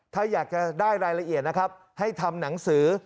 ถ้าอยากจะได้รายละเอียดนะครับให้ทำหนังสือ